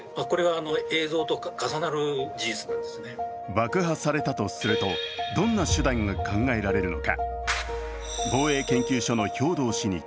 爆破されたとするとどんな手段が考えられるのか。